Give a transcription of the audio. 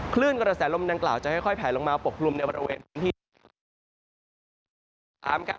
คลื่นกระแสลมนั่งกล่าวจะค่อยแผ่ลงมาปกลุ้มในบริเวณพื้นที่ธรรมกลาง